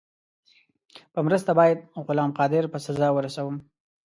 په مرسته باید غلام قادر په سزا ورسوم.